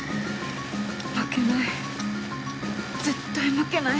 ・負けない。